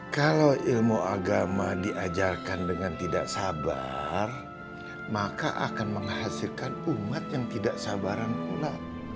kalau ilmu agama diajarkan dengan tidak sabar maka akan menghasilkan umat yang tidak sabaran pula